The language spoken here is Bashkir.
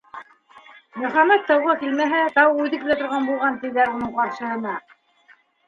Мөхәммәт тауға килмәһә, тау үҙе килә торған булған тиҙәр уның ҡаршыһына.